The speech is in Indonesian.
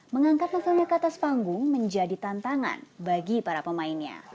mengangkat nasional ke atas panggung menjadi tantangan bagi para pemainnya